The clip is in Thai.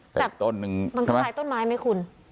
แต่มันคล้ายต้นไม้ไหมคุณ